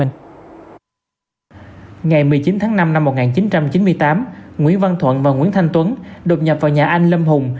ngày một mươi chín tháng năm năm một nghìn chín trăm chín mươi tám nguyễn văn thuận và nguyễn thanh tuấn đột nhập vào nhà anh lâm hùng